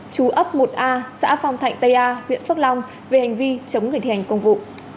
chú ấp một a xã phong thạnh tây a huyện phước long về hành vi chống người thi hành công vụ